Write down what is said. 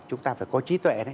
chúng ta phải có trí tuệ